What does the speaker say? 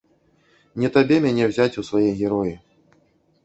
Не табе мяне ўзяць у свае героі.